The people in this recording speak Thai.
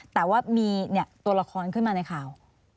แต่ว่ามีตัวละครขึ้นมาในข่าว